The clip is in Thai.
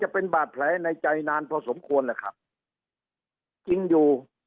แผลในใจนานเพราะสมควรแหละครับจริงอยู่